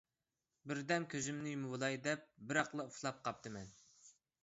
بىردەم كۆزۈمنى يۇمۇۋالاي دەپ، بىراقلا ئۇخلاپ قاپتىمەن.